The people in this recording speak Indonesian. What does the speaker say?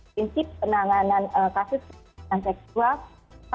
prinsip penanganan kasus kekerasan seksual